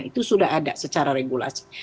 itu sudah ada secara regulasi